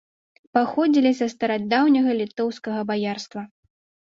Паходзілі са старадаўняга літоўскага баярства.